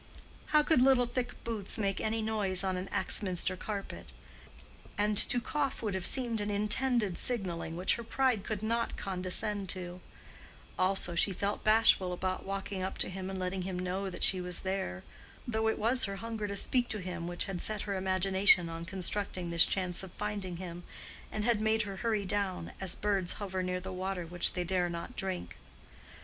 How could little thick boots make any noise on an Axminster carpet? And to cough would have seemed an intended signaling which her pride could not condescend to; also, she felt bashful about walking up to him and letting him know that she was there, though it was her hunger to speak to him which had set her imagination on constructing this chance of finding him, and had made her hurry down, as birds hover near the water which they dare not drink.